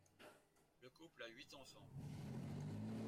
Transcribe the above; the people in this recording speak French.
Le couple a huit enfants.